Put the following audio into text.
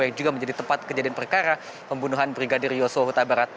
yang juga menjadi tempat kejadian perkara pembunuhan brigadir yosua huta barat